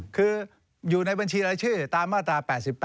คืออยู่ในบัญชีรายชื่อตามมาตรา๘๘